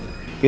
aduh ya allah